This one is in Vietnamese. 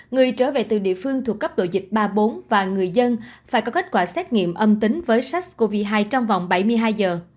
người trở về từ địa phương thuộc cấp độ dịch ba mươi bốn và người dân phải có kết quả xét nghiệm âm tính với sars cov hai trong vòng bảy mươi hai giờ